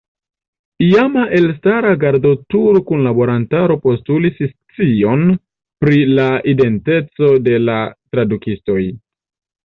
Iama elstara Gardotur-kunlaborantaro postulis scion pri la identeco de la tradukistoj.